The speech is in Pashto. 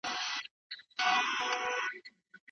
که په هېواد کې سوله وي نو بهرني پانګوال به سوداګرۍ ته راشي.